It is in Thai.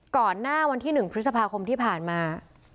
ก่อนหน้าวันที่๑พฤษภาคมที่ผ่านมา